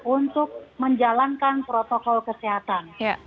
untuk menjalankan protokol kesehatan